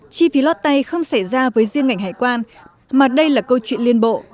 chi phí lót tay không xảy ra với riêng ngành hải quan mà đây là câu chuyện liên bộ